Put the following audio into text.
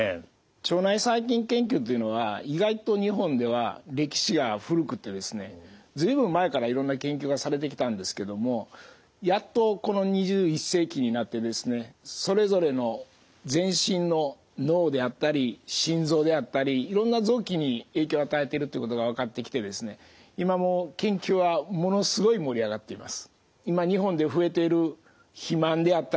腸内細菌研究っていうのは意外と日本では歴史が古くて随分前からいろんな研究がされてきたんですけどもやっとこの２１世紀になってそれぞれの全身の脳であったり心臓であったりいろんな臓器に影響を与えているということが分かってきて今もう研究はものすごい盛り上がっています。